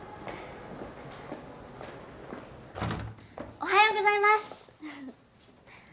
おはようございます！